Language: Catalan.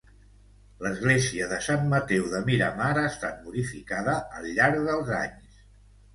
L'església de Sant Mateu de Miramar ha estat modificada al llarg dels anys.